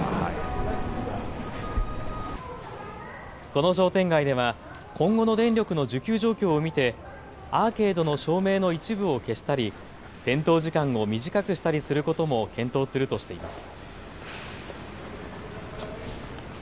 この商店街では今後の電力の需給状況を見てアーケードの照明の一部を消したり点灯時間を短くしたりすることも検討するとしています。